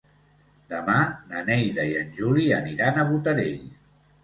Demà na Neida i en Juli aniran a Botarell.